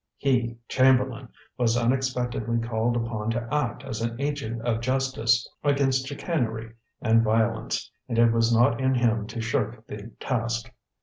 He, Chamberlain, was unexpectedly called upon to act as an agent of justice against chicanery and violence, and it was not in him to shirk the task.